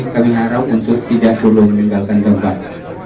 kami harap untuk tidak perlu meninggalkan tempat